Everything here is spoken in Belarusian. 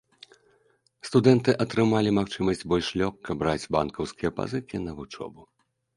Студэнты атрымалі магчымасць больш лёгка браць банкаўскія пазыкі на вучобу.